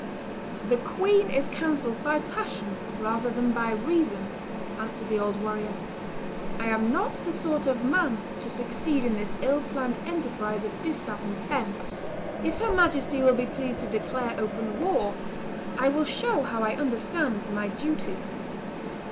"The queen is counselled by passion rather than by reason," answered the old warrior; "I am not the sort of man to succeed in this ill planned enterprise of distaff and pen; if her Majesty will be pleased to declare open war, I will show how I understand my duty."